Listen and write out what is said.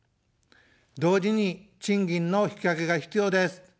同時に賃金の引き上げが必要です。